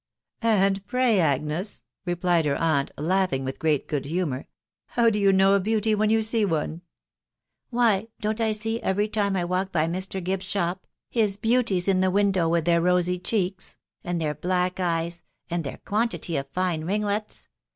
" And pray, Agnes," replied her aunt, laughing with great good humour, "how do you know a beauty when you see one ?"" Why, don't I see every time I walk by Mr. Gibbs's shop, his beauties in the window, with their rosy cheeks, and their black eyes, and their quantity of fine ringlets